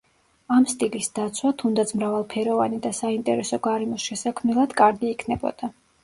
ამ სტილის დაცვა, თუნდაც მრავალფეროვანი და საინტერესო გარემოს შესაქმნელად, კარგი იქნებოდა.